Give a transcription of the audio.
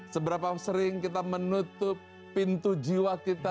seberapa sering kita menutup pintu jiwa kita